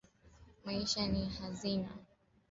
Maisha ni hazina.